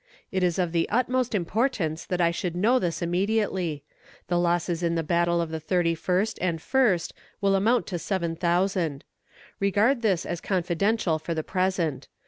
It is of the utmost importance that I should know this immediately. The losses in the battle of the thirty first and first will amount to seven thousand. Regard this as confidential for the present.